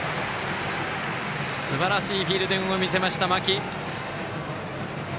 すばらしいフィールディングを見せました、間木。